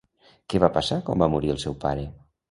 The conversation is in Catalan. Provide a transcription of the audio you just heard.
Què va passar quan va morir el seu pare?